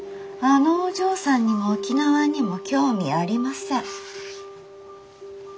あのお嬢さんにも沖縄にも興味ありません。